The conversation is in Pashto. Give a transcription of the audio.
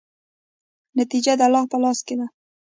نتیجه د الله په لاس کې ده.